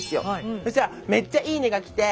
そしたらめっちゃ「いいね！」が来て。